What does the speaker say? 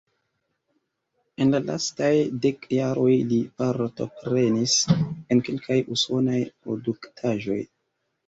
En la lastaj dek jaroj li partoprenis en kelkaj usonaj produktaĵoj.